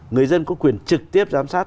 người dân có quyền trực tiếp giám sát